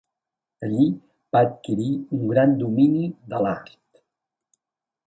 Allí va adquirir un gran domini de l'art.